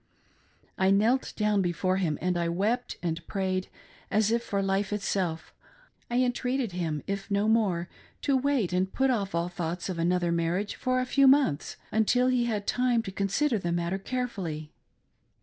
I knelt down before him, and I wept and prayed as if for life itself — I entreated him, if no more, to wait and put off all thoughts of another marriage for a few months, until he had time to consider the matter carefully.